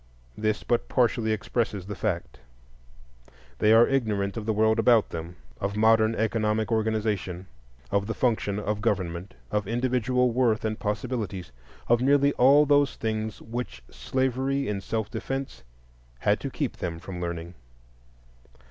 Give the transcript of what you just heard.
This but partially expresses the fact. They are ignorant of the world about them, of modern economic organization, of the function of government, of individual worth and possibilities,—of nearly all those things which slavery in self defence had to keep them from learning.